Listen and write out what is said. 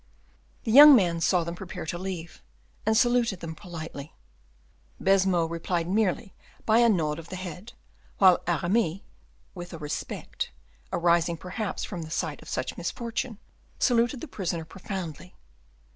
The young man saw them prepare to leave, and saluted them politely. Baisemeaux replied merely by a nod of the head, while Aramis, with a respect, arising perhaps from the sight of such misfortune, saluted the prisoner profoundly.